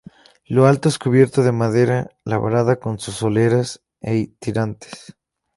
Lo alto es cubierto de madera labrada con sus soleras e tirantes.